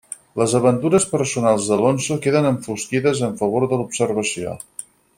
Les aventures personals d'Alonso queden enfosquides en favor de l'observació.